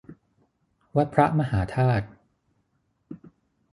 วัดพระมหาธาตุ